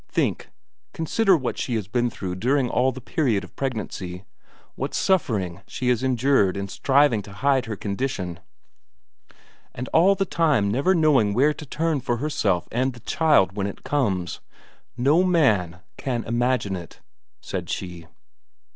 Think, consider what she has been through during all the period of pregnancy, what suffering she has endured in striving to hide her condition, and all the time never knowing where to turn for herself and the child when it comes. No man can imagine it," said she.